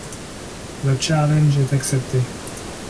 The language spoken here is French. Le challenge est accepté.